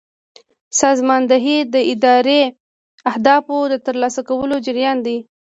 سازماندهي د اداري اهدافو د ترلاسه کولو جریان دی.